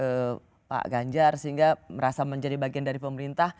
keputusan itu yang pak jokowi pdip pdip pak ganjar sehingga merasa menjadi bagian dari pemerintah